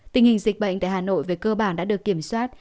tình hình dịch bệnh tại hà nội về cơ bản đã được kiểm soát